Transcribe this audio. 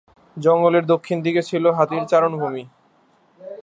জঙ্গলের দক্ষিণ দিকে ছিল হাতির চারণভূমি।